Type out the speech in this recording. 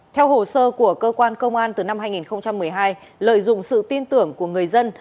theo hồ sơ của cơ quan công an từ năm hai nghìn một mươi hai lợi dụng sự tin tưởng của người dân